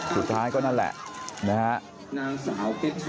สุดท้ายก็นั่นแหละนะฮะ